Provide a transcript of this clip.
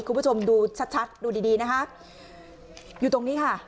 คุณผู้ชมดูชัดชัดดูดีดีนะคะอยู่ตรงนี้ค่ะ